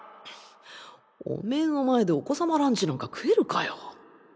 おめぇの前でお子さまランチなんか食えるかよ